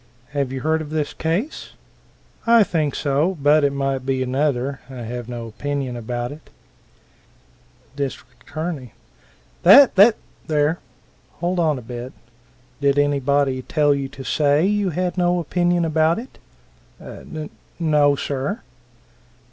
"Have you heard of this case?" "I think so but it might be another. I have no opinion about it." Dist. A. "Tha tha there! Hold on a bit? Did anybody tell you to say you had no opinion about it?" "N n o, sir."